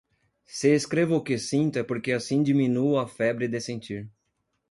Se escrevo o que sinto é porque assim diminuo a febre de sentir.